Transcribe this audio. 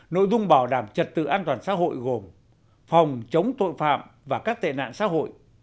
nội dung bảo đảm trật tự an toàn xã hội gồm phòng chống tội phạm và các tệ nạn xã hội